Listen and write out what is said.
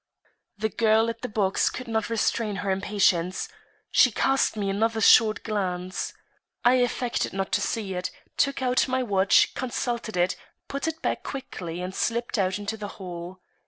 The girl at the box could not restrain her impatience. She cast me another short glance. I affected not to see it; took out my watch, consulted it, put it back quickly and slipped out into the hall.